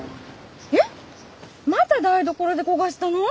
えっまた台所で焦がしたの？